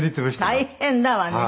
大変だわね。